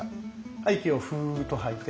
はい息をふっと吐いて。